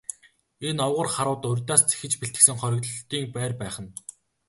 Энэ овгор харууд урьдаас зэхэж бэлтгэсэн хориглолтын байр байх нь.